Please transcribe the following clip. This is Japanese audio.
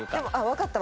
わかった。